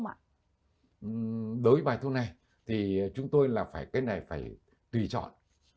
đối với bài thuốc này thì chúng tôi là phải cái này phải tùy chọn